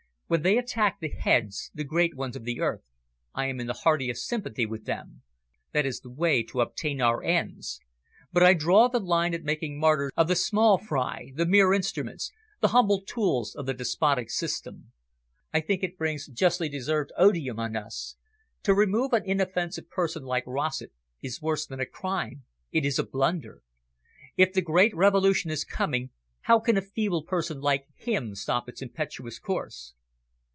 "When they attack the Heads, the great ones of the earth, I am in the heartiest sympathy with them that is the way to obtain our ends. But I draw the line at making martyrs of the small fry, the mere instruments, the humble tools of the despotic system. I think it brings justly deserved odium on us. To remove an inoffensive person like Rossett is worse than a crime, it is a blunder. If the great Revolution is coming, how can a feeble person like him stop its impetuous course?"